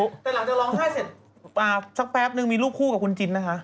แต่หลังจากร้องไห้เสร็จสักแป๊บนึงมีลูกคู่กับคุณจินนะคะ